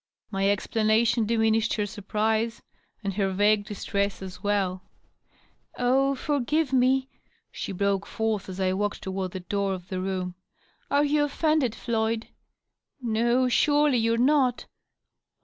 My explanation diminished her surprise, and her vague distress as well. " Oh, forgive me !" she broke forth, as I walked toward the door of the room. "Are you offended, Floyd ? No, surely you're not